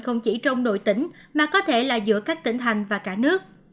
không chỉ trong nội tỉnh mà có thể là giữa các tỉnh thành và cả nước